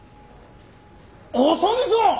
浅見さん！